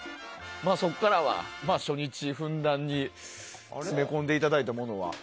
そこからは初日ふんだんに詰め込んでいただいたものは。